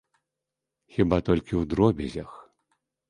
Хіба толькі ў дробязях.